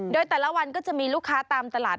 โดยแต่ละวันก็จะมีลูกค้าตามตลาด